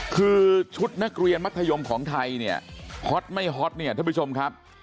คือชุดนักเรียนมัธยมของไทยเนี่ยฮอตไม่ฮอตเนี่ยท่านผู้ชมครับ